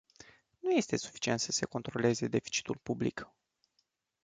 Nu este suficient să se controleze deficitul public.